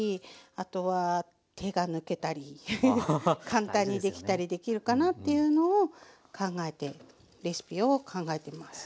簡単にできたりできるかなっていうのを考えてレシピを考えてます。